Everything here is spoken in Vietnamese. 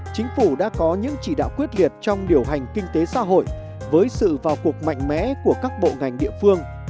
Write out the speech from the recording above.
chính phủ đã có những chỉ đạo quyết liệt trong điều hành kinh tế xã hội với sự vào cuộc mạnh mẽ của các bộ ngành địa phương